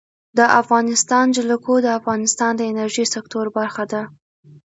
د افغانستان جلکو د افغانستان د انرژۍ سکتور برخه ده.